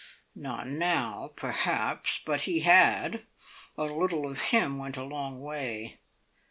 Not now, perhaps. But he had! A little of him went a long way.